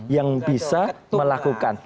yang bisa melakukan